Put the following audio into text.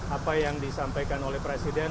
apa yang disampaikan oleh presiden